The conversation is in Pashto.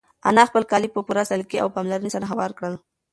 انا خپل کالي په پوره سلیقې او پاملرنې سره هوار کړل.